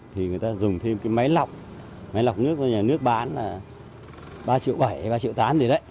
thì người ta dùng thêm máy lọc máy lọc nước của nhà nước bán là ba triệu bảy hay ba triệu tám gì đấy